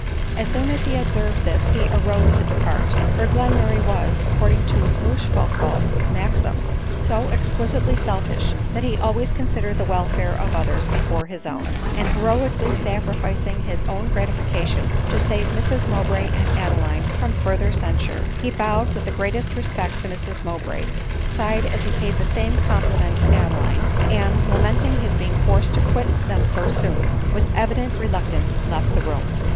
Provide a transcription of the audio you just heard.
As soon as he observed this he arose to depart; for Glenmurray was, according to Rochefoucatdt's maxim, so exquisitely selfish, that he always considered the welfare of others before his own, and heroically sacrificing his own gratification to save Mrs Mowbray and Adeline from further censure, he bowed with the greatest respect to Mrs Mowbray, sighed as he paid the same compliment to Adeline, and, lamenting his being forced to quit them so soon, with evident reluc tance left the room.